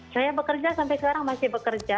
saya bekerja sampai sekarang masih bekerja